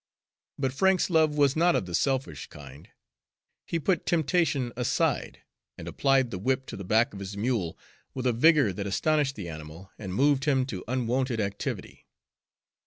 But Frank's love was not of the selfish kind. He put temptation aside, and applied the whip to the back of his mule with a vigor that astonished the animal and moved him to unwonted activity.